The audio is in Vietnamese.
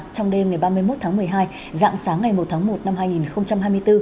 trong đêm ngày ba mươi một tháng một mươi hai dạng sáng ngày một tháng một năm hai nghìn hai mươi bốn